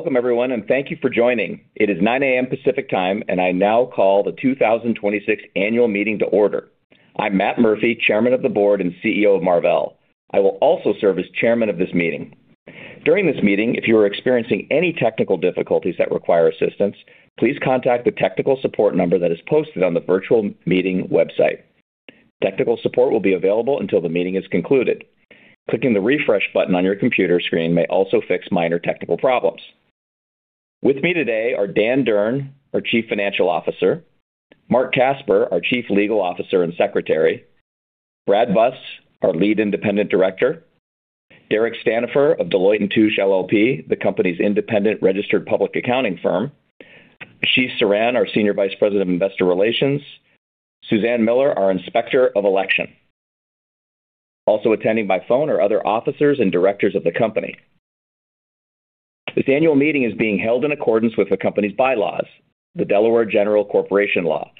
Welcome, everyone, and thank you for joining. It is 9:00 A.M. Pacific Time, and I now call the 2026 annual meeting to order. I'm Matt Murphy, Chairman of the Board and CEO of Marvell. I will also serve as Chairman of this meeting. During this meeting, if you are experiencing any technical difficulties that require assistance, please contact the technical support number that is posted on the virtual meeting website. Technical support will be available until the meeting is concluded. Clicking the refresh button on your computer screen may also fix minor technical problems. With me today are Dan Durn, our Chief Financial Officer, Mark Casper, our Chief Legal Officer and Secretary, Brad Buss, our Lead Independent Director, Derek Stanifer of Deloitte & Touche LLP, the company's independent registered public accounting firm, Ashish Saran, our Senior Vice President of Investor Relations, Suzanne Miller, our Inspector of Election. Also attending by phone are other officers and directors of the company. This annual meeting is being held in accordance with the company's bylaws, the Delaware General Corporation Law,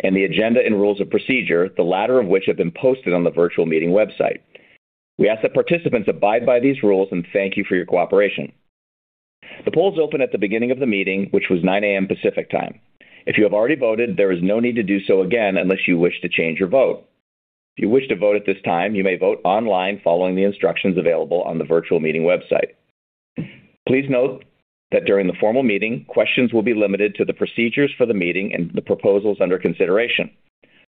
and the agenda and rules of procedure, the latter of which have been posted on the virtual meeting website. We ask that participants abide by these rules and thank you for your cooperation. The polls opened at the beginning of the meeting, which was 9:00 A.M. Pacific Time. If you have already voted, there is no need to do so again unless you wish to change your vote. If you wish to vote at this time, you may vote online following the instructions available on the virtual meeting website. Please note that during the formal meeting, questions will be limited to the procedures for the meeting and the proposals under consideration.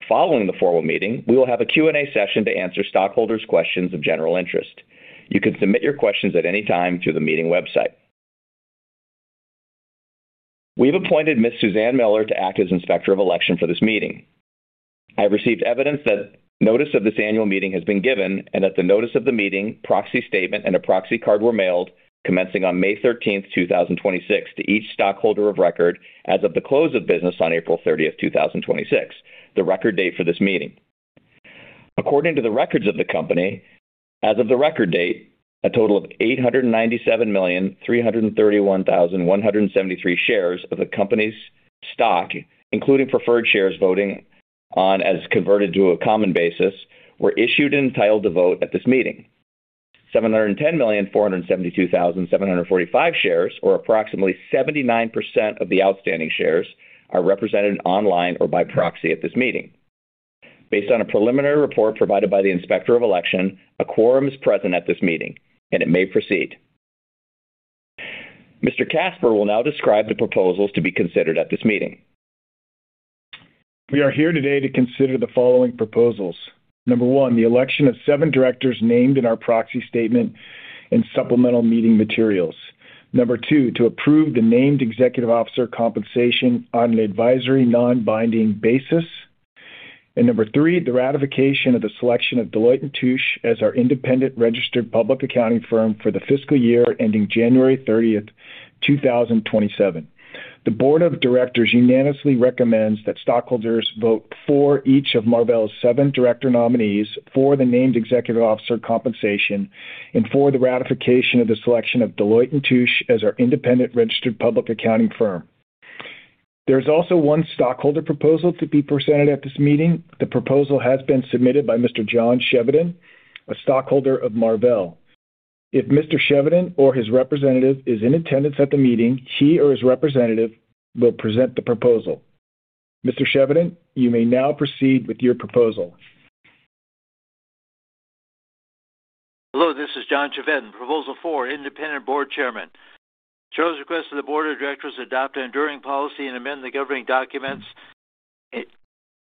Following the formal meeting, we will have a Q&A session to answer stockholders' questions of general interest. You can submit your questions at any time through the meeting website. We have appointed Ms. Suzanne Miller to act as Inspector of Election for this meeting. I have received evidence that notice of this annual meeting has been given and that the notice of the meeting, proxy statement, and a proxy card were mailed commencing on May 13th, 2026, to each stockholder of record as of the close of business on April 30th, 2026, the record date for this meeting. According to the records of the company, as of the record date, a total of 897,331,173 shares of the company's stock, including preferred shares voting on as converted to a common basis, were issued and entitled to vote at this meeting. 710,472,745 shares, or approximately 79% of the outstanding shares, are represented online or by proxy at this meeting. Based on a preliminary report provided by the Inspector of Election, a quorum is present at this meeting, and it may proceed. Mr. Casper will now describe the proposals to be considered at this meeting. We are here today to consider the following proposals. Number one, the election of seven directors named in our proxy statement and supplemental meeting materials. Number two, to approve the named executive officer compensation on an advisory, non-binding basis. Number three, the ratification of the selection of Deloitte & Touche as our independent registered public accounting firm for the fiscal year ending January 30th, 2027. The board of directors unanimously recommends that stockholders vote for each of Marvell's seven director nominees for the named executive officer compensation and for the ratification of the selection of Deloitte & Touche as our independent registered public accounting firm. There is also one stockholder proposal to be presented at this meeting. The proposal has been submitted by Mr. John Chevedden, a stockholder of Marvell. If Mr. John Chevedden or his representative is in attendance at the meeting, he or his representative will present the proposal. Mr. John Chevedden, you may now proceed with your proposal. Hello, this is John Chevedden, Proposal 4, Independent Board Chairman. Charles requests that the board of directors adopt an enduring policy and amend the governing documents,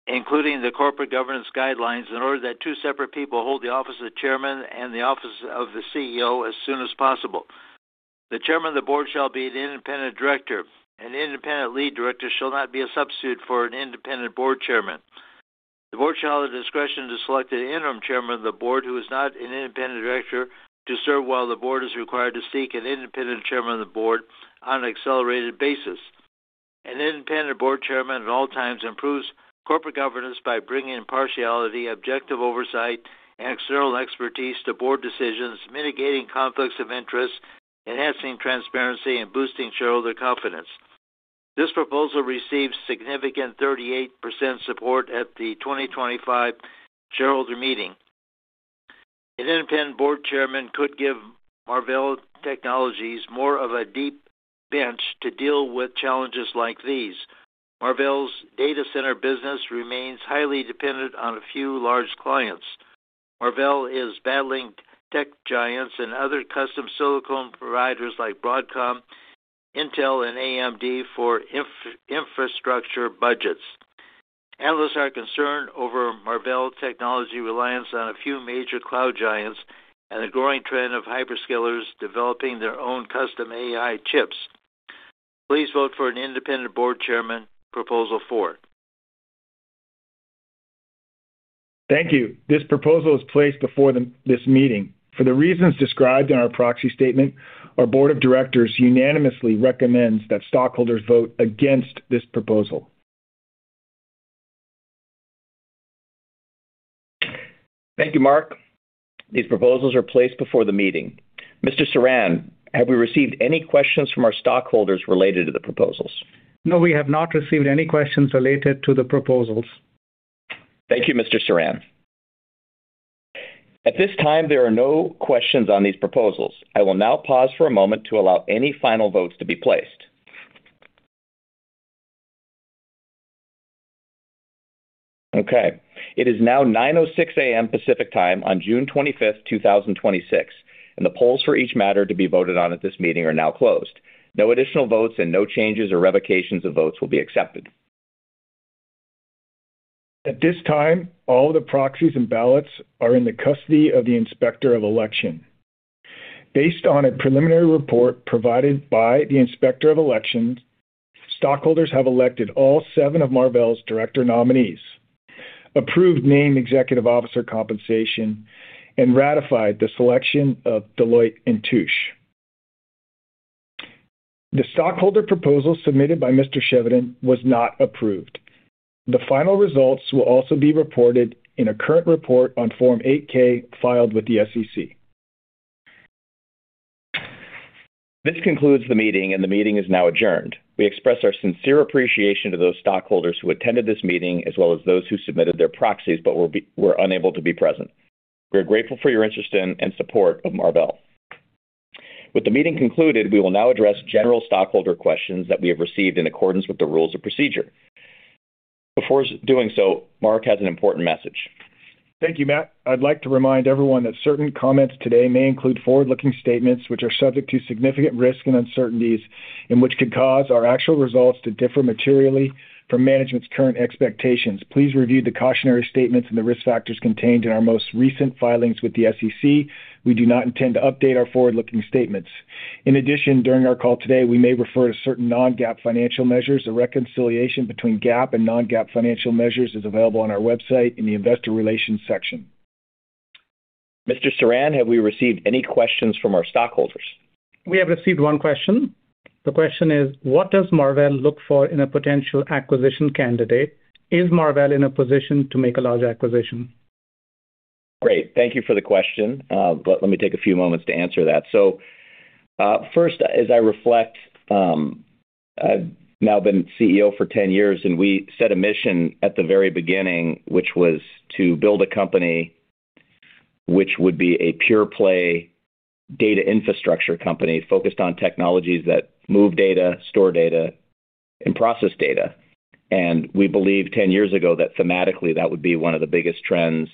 including the corporate governance guidelines, in order that two separate people hold the office of the chairman and the office of the CEO as soon as possible. The chairman of the board shall be an independent director. An independent lead director shall not be a substitute for an independent board chairman. The board shall have the discretion to select an interim chairman of the board who is not an independent director to serve while the board is required to seek an independent chairman of the board on an accelerated basis. An independent board chairman at all times improves corporate governance by bringing impartiality, objective oversight, and external expertise to board decisions, mitigating conflicts of interest, enhancing transparency, and boosting shareholder confidence. This proposal received significant 38% support at the 2025 shareholder meeting. An independent board chairman could give Marvell Technology more of a deep bench to deal with challenges like these. Marvell's data center business remains highly dependent on a few large clients. Marvell is battling tech giants and other custom silicon providers like Broadcom, Intel, and AMD for infrastructure budgets. Analysts are concerned over Marvell Technology reliance on a few major cloud giants and a growing trend of hyperscalers developing their own custom AI chips. Please vote for an independent board chairman, Proposal 4. Thank you. This proposal is placed before this meeting. For the reasons described in our proxy statement, our board of directors unanimously recommends that stockholders vote against this proposal. Thank you, Mark. These proposals are placed before the meeting. Mr. Saran, have we received any questions from our stockholders related to the proposals? No, we have not received any questions related to the proposals. Thank you, Mr. Saran. At this time, there are no questions on these proposals. I will now pause for a moment to allow any final votes to be placed. Okay. It is now 9:06 A.M. Pacific Time on June 25th, 2026, and the polls for each matter to be voted on at this meeting are now closed. No additional votes and no changes or revocations of votes will be accepted. At this time, all the proxies and ballots are in the custody of the Inspector of Election. Based on a preliminary report provided by the Inspector of Election, stockholders have elected all seven of Marvell's director nominees, approved named executive officer compensation, and ratified the selection of Deloitte & Touche. The stockholder proposal submitted by Mr. Chevedden was not approved. The final results will also be reported in a current report on Form 8-K filed with the SEC. This concludes the meeting. The meeting is now adjourned. We express our sincere appreciation to those stockholders who attended this meeting, as well as those who submitted their proxies but were unable to be present. We are grateful for your interest in and support of Marvell. With the meeting concluded, we will now address general stockholder questions that we have received in accordance with the rules of procedure. Before doing so, Mark has an important message. Thank you, Matt. I'd like to remind everyone that certain comments today may include forward-looking statements which are subject to significant risk and uncertainties, and which could cause our actual results to differ materially from management's current expectations. Please review the cautionary statements and the risk factors contained in our most recent filings with the SEC. We do not intend to update our forward-looking statements. In addition, during our call today, we may refer to certain non-GAAP financial measures. A reconciliation between GAAP and non-GAAP financial measures is available on our website in the investor relations section. Mr. Saran, have we received any questions from our stockholders? We have received one question. The question is: What does Marvell look for in a potential acquisition candidate? Is Marvell in a position to make a large acquisition? Great. Thank you for the question. Let me take a few moments to answer that. First, as I reflect, I've now been CEO for 10 years, and we set a mission at the very beginning, which was to build a company which would be a pure play data infrastructure company focused on technologies that move data, store data, and process data. We believed 10 years ago that thematically, that would be one of the biggest trends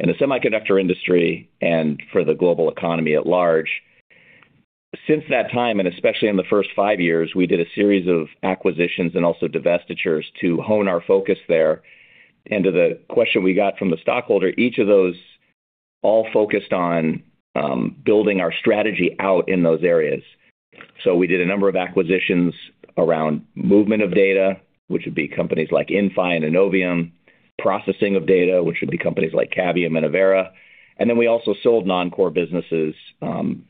in the semiconductor industry and for the global economy at large. Since that time, and especially in the first five years, we did a series of acquisitions and also divestitures to hone our focus there. To the question we got from the stockholder, each of those all focused on building our strategy out in those areas. We did a number of acquisitions around movement of data, which would be companies like Inphi and Innovium, processing of data, which would be companies like Cavium and Avera, and we also sold non-core businesses, and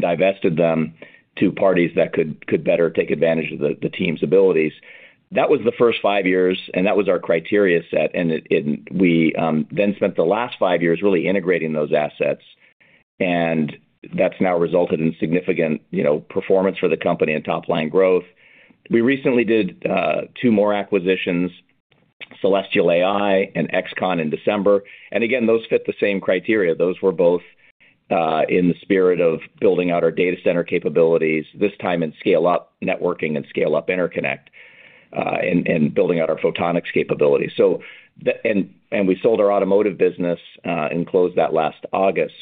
divested them to parties that could better take advantage of the team's abilities. That was the first five years, and that was our criteria set. We then spent the last five years really integrating those assets, and that's now resulted in significant performance for the company and top-line growth. We recently did two more acquisitions, Celestial AI and XConn in December. Again, those fit the same criteria. Those were both in the spirit of building out our data center capabilities, this time in scale-up networking and scale-up interconnect, and building out our photonics capability. We sold our automotive business and closed that last August.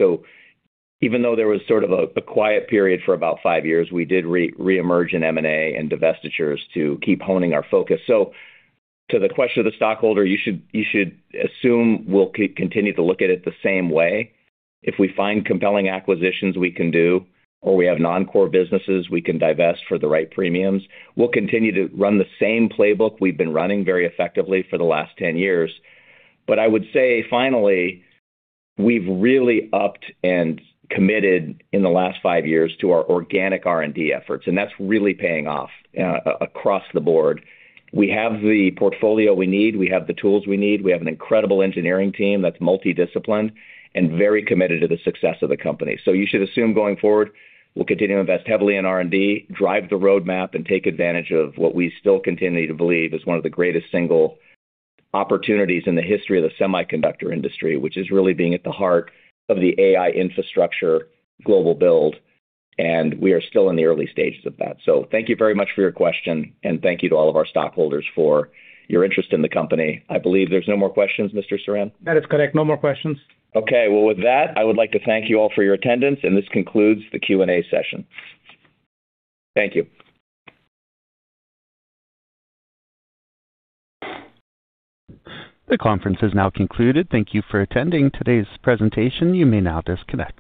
Even though there was sort of a quiet period for about five years, we did reemerge in M&A and divestitures to keep honing our focus. To the question of the stockholder, you should assume we'll continue to look at it the same way. If we find compelling acquisitions we can do, or we have non-core businesses we can divest for the right premiums, we'll continue to run the same playbook we've been running very effectively for the last 10 years. I would say finally, we've really upped and committed in the last five years to our organic R&D efforts, and that's really paying off across the board. We have the portfolio we need, we have the tools we need, we have an incredible engineering team that's multi-disciplined and very committed to the success of the company. You should assume going forward, we'll continue to invest heavily in R&D, drive the roadmap, and take advantage of what we still continue to believe is one of the greatest single opportunities in the history of the semiconductor industry, which is really being at the heart of the AI infrastructure global build, and we are still in the early stages of that. Thank you very much for your question, and thank you to all of our stockholders for your interest in the company. I believe there's no more questions, Mr. Saran? That is correct. No more questions. With that, I would like to thank you all for your attendance, and this concludes the Q&A session. Thank you. The conference is now concluded. Thank you for attending today's presentation. You may now disconnect.